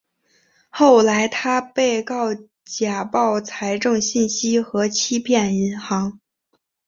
后来他被告假报财政信息和欺骗银行。